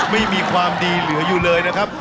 ไม่มีความดีเหลืออยู่เลยนะครับ